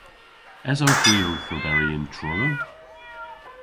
Esowgh hwi owth oberi yn Truru?